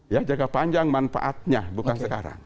ya jangka panjang manfaatnya bukan sekarang